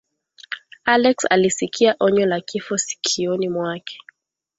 alex alisikia onyo la kifo sikioni mwake